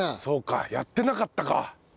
そうかやってなかったか。